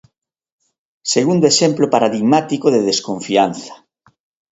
Segundo exemplo paradigmático de desconfianza.